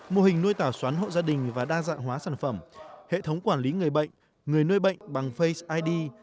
mô hình nuôi tả xoán hộ gia đình và đa dạng hóa sản phẩm hệ thống quản lý người bệnh người nuôi bệnh bằng face id